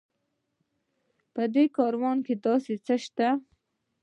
په دې کاروان کې داسې څه شته.